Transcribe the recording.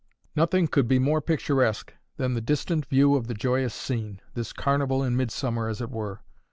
Nothing could be more picturesque than the distant view of the joyous scene, this Carnival in Midsummer, as it were.